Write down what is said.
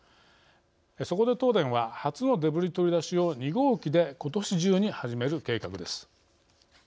そこで東電は初のデブリ取り出しを２号機でことし中に始める計画です。